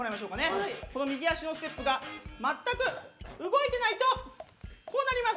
右足のステップが全く動いてないとこうなります。